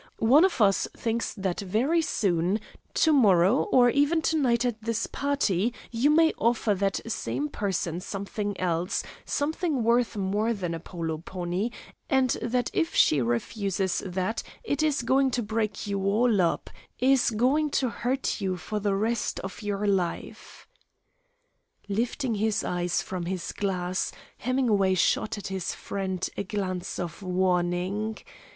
One of us thinks that very soon, to morrow, or even to night, at this party you may offer that same person something else, something worth more than a polo pony, and that if she refuses that, it is going to break you all up, is going to hurt you for the rest of your life." Lifting his eyes from his glass, Hemingway shot at his friend a glance of warning.